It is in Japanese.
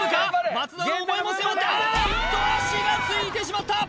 松田の思いも背負ってああっと足がついてしまった！